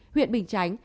huyện bình tránh